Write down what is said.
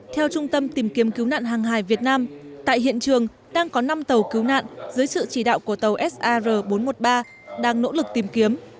theo trung tâm tìm kiếm cứu nạn hàng hải việt nam tại hiện trường đang có năm tàu cứu nạn dưới sự chỉ đạo của tàu sar bốn trăm một mươi ba đang nỗ lực tìm kiếm